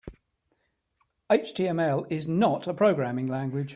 HTML is not a programming language.